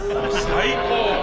最高！